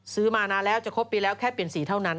ซื้อมานานแล้วจะครบปีแล้วแค่เปลี่ยนสีเท่านั้น